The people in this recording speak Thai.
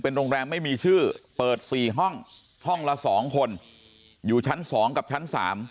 โรงแรมไม่มีชื่อเปิด๔ห้องห้องละ๒คนอยู่ชั้น๒กับชั้น๓